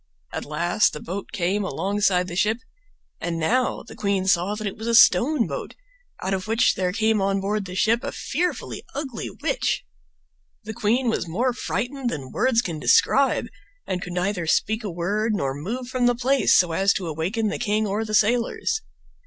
At last the boat came alongside the ship, and now the queen saw that it was a stone boat, out of which there came on board the ship a fearfully ugly witch. The queen was more frightened than words can describe, and could neither speak a word nor move from the place so as to awaken the king or the sailors.